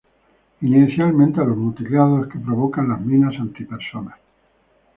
Inicialmente a los mutilados que provocan las minas antipersona.